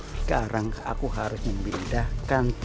sekarang aku harus memindahkan